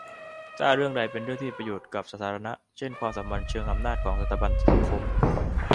ถ้าเรื่องใดเป็นเรื่องที่มีประโยชน์กับสาธารณะ เช่นความสัมพันธ์เชิงอำนาจของสถาบันสังคม